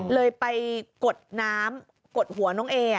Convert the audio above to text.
เลยไปกดน้ำกดหัวน้องเอ